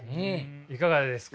いかがですか？